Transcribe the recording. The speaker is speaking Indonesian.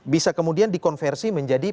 bisa kemudian dikonversi menjadi